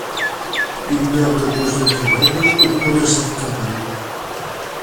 Il meurt de cause naturelle au cours de cette campagne.